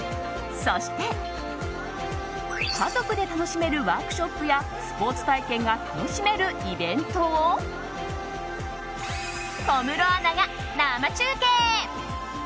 そして、家族で楽しめるワークショップやスポーツ体験が楽しめるイベントを小室アナが生中継！